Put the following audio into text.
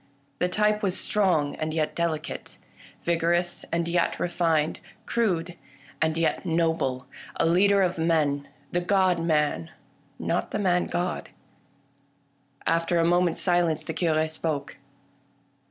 The type was strong and yet delicate ; vigorous and yet refined ; crude and yet noble ; a leader of men — the God Man, not the Man God. After a moment's silence the Cure spoke.